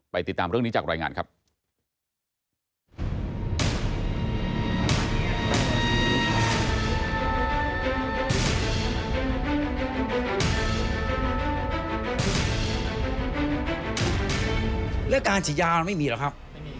ติดตามเรื่องนี้จากรายงานครับ